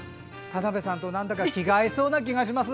田辺さんとなんだか気が合いそうな気がします！